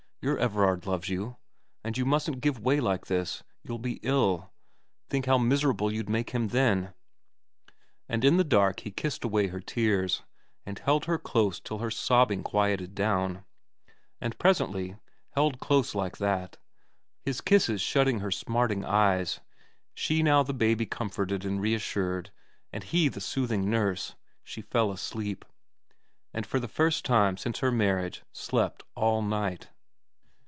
Your Everard loves you, and you mustn't give way like this. You'll be ill. Think how miserable you'd make him then.' And in the dark he kissed away her tears, and held her close till her sobbing quieted down ; and presently, held close like that, his kisses shutting her smarting eyes, she now the baby comforted and reassured, and he the soothing nurse, she fell asleep, and for the first time since her marriage slept all night.